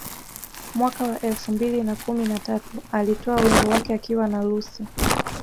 Mwaka wa elfu mbili na kumi na tatu alitoa wimbo wake akiwa na Lucci